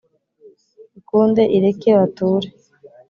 ikunde ireke bature.